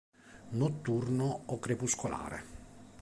Notturno o crepuscolare.